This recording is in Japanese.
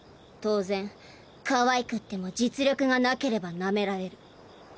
当然かわいくっても実力がなければなめられる。